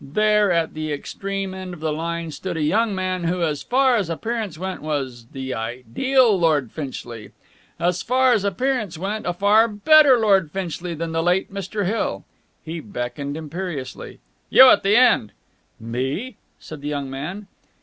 There, at the extreme end of the line, stood a young man who, as far as appearance went, was the ideal Lord Finchley as far as appearance went, a far better Lord Finchley than the late Mr. Hill. He beckoned imperiously. "You at the end!" "Me?" said the young man.